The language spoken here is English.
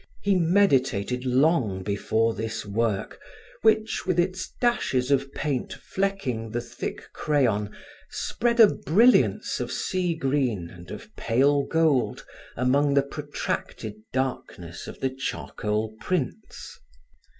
He meditated long before this work which, with its dashes of paint flecking the thick crayon, spread a brilliance of sea green and of pale gold among the protracted darkness of the charcoal prints.